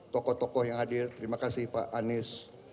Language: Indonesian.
tokoh tokoh yang hadir terima kasih pak anies